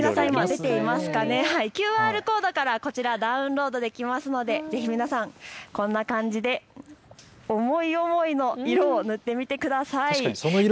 ＱＲコードからこちら、ダウンロードできますのでぜひ皆さん、こんな感じで思い思いの色を塗ってみてください。